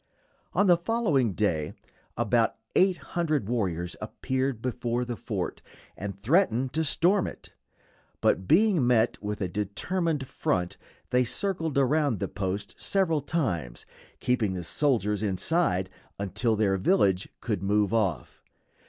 On the following day about eight hundred warriors appeared before the fort, and threatened to storm it; but being met with a determined front they circled around the post several times, keeping the soldiers inside until their village could move off.